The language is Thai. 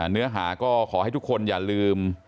เนื้อหาก็ขอให้ทุกคนอย่าลืม